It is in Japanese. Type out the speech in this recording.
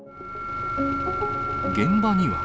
現場には。